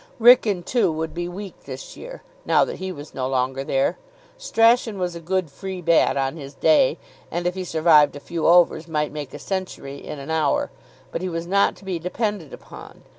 Wrykyn, too, would be weak this year, now that he was no longer there. Strachan was a good, free bat on his day, and, if he survived a few overs, might make a century in an hour, but he was not to be depended upon.